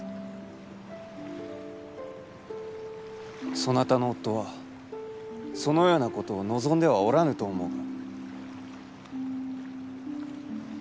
そなたの夫はそのようなことを望んではおらぬと思うが。